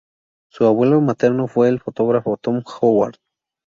Su abuelo materno fue el fotógrafo Tom Howard.